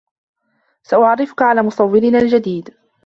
سأعرّفك على مصوّرنا الجدبد.